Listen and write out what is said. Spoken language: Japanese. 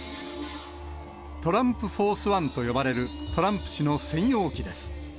トランプ・フォース・ワンと呼ばれるトランプ氏の専用機です。